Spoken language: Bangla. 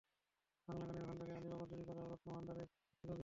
বাংলা গানের ভান্ডার আলী বাবার চুরি করা রত্ন ভান্ডারের থেকেও বিশাল।